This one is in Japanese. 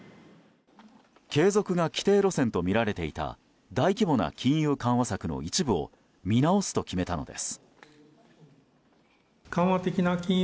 継続が既定路線とみられていた大規模な金融緩和策の一部を見直すと決めたのです。